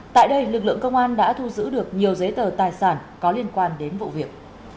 tại đây lực lượng công an đã thu giữ được nhiều giấy tờ tài sản có liên quan đến vụ việc